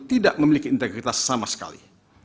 tidak memiliki integritas sama sekali